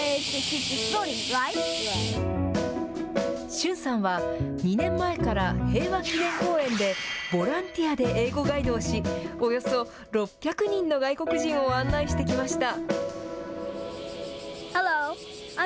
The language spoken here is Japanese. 駿さんは２年前から平和記念公園でボランティアで英語ガイドをしおよそ６００人の外国人を案内してきました。